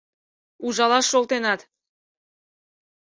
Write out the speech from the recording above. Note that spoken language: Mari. — Ужалаш шолтенат!